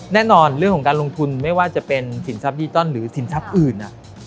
แน่นอนเรื่องของการลงทุนไม่ว่าจะเป็นสินทรัพดิจิตอลหรือสินทรัพย์อื่น